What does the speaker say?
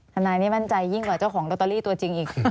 นายนี่มั่นใจยิ่งกว่าเจ้าของโรตเตอรี่ตัวจริงอีก